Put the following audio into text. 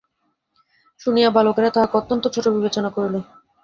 শুনিয়া বালকেরা তাঁহাকে অত্যন্ত ছোটো বিবেচনা করিল।